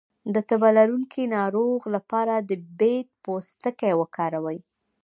د تبه لرونکي ناروغ لپاره د بید پوستکی وکاروئ